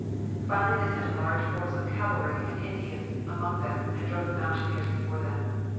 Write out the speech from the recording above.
Finally they sent a large force of cavalry and Indians among them and drove the mountaineers before them.